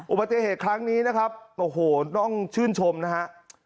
อุบัติเหตุครั้งนี้นะครับโอ้โหต้องชื่นชมนะฮะ